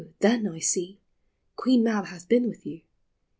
O, then, I see, Queen Mab hath been with you.